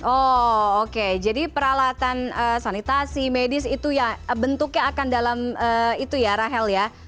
oh oke jadi peralatan sanitasi medis itu ya bentuknya akan dalam itu ya rahel ya